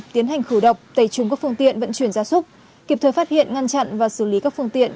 tiến hành khử độc tẩy trúng các phương tiện vận chuyển gia súc kịp thời phát hiện ngăn chặn và xử lý các phương tiện